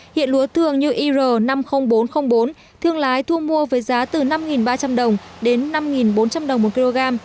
hiện lúa thường như ir năm mươi nghìn bốn trăm linh bốn thương lái thu mua với giá từ năm ba trăm linh đồng đến năm bốn trăm linh đồng một kg